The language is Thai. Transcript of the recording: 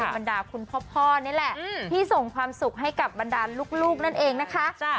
บรรดาคุณพ่อนี่แหละที่ส่งความสุขให้กับบรรดาลูกนั่นเองนะคะ